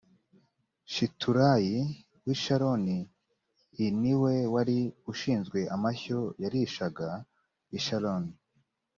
shiturayi w i sharoni i ni we wari ushinzwe amashyo yarishaga i sharoni